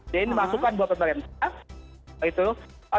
jadi ini masukan buat pemerintah